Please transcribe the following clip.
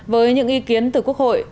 với những ý kiến từ quốc hội